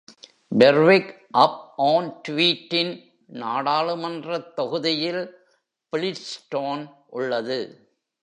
பெர்விக்-அப்ஆன்-ட்வீட்டின் நாடாளுமன்றத் தொகுதியில் பிடில்ஸ்டோன் உள்ளது.